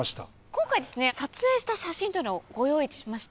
今回撮影した写真というのをご用意しまして。